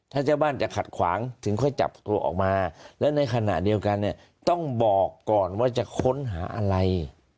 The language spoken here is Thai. ถ้าเจ้าบ้านจะขัดขวางถึงค่อยจับตัวออกมาแล้วในขณะเดียวกันเนี่ยต้องบอกก่อนว่าจะค้นหาอะไร